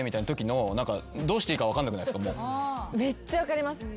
めっちゃ分かります。